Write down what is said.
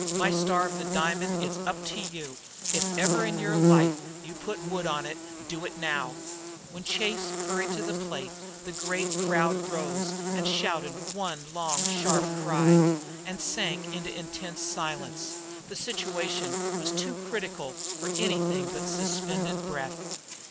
My Star of the Diamond, it's up to you. If ever in yer life you put the wood on do it now!" When Chase hurried up to the plate, the great crowd rose and shouted one long sharp cry, and sank into intense silence. The situation was too critical for anything but suspended breath.